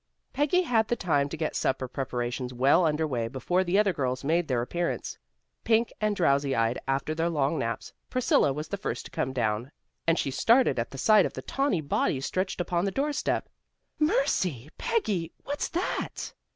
Peggy had the time to get supper preparations well under way before the other girls made their appearance, pink and drowsy eyed after their long naps. Priscilla was the first to come down, and she started at the sight of the tawny body stretched upon the doorstep. "Mercy, Peggy. What's that?"